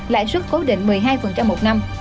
lãi suất cố định một mươi hai một năm